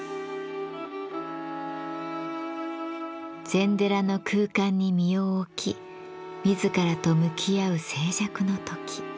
禅寺の空間に身を置き自らと向き合う静寂の時。